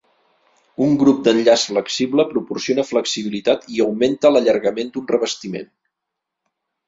Un grup d'enllaç flexible proporciona flexibilitat i augmenta l'allargament d'un revestiment.